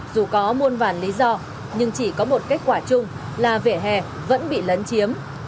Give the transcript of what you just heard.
dù có muôn vàn lý do nhưng chỉ có một kết quả chung là vỉa hè vẫn bị lấn chiếm